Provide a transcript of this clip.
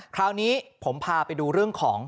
คราวนี้ผมพาไปดูเรื่องของ